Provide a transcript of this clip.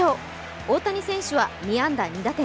大谷選手は２安打２打点。